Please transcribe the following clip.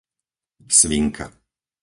Svinka